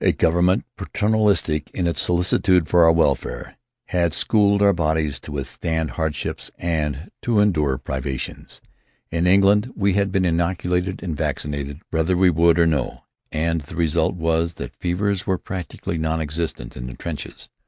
A government, paternalistic in its solicitude for our welfare, had schooled our bodies to withstand hardships and to endure privations. In England we had been inoculated and vaccinated whether we would or no, and the result was that fevers were practically non existent in the trenches.